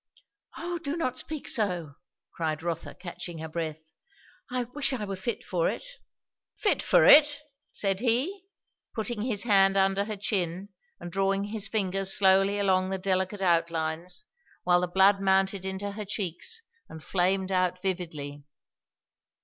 "O do not speak so!" cried Rotha catching her breath. "I wish I were fit for it." "Fit for it!" said he, putting his hand under her chin and drawing his fingers slowly along the delicate outlines, while the blood mounted into her cheeks and flamed out vividly.